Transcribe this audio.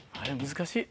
難しい。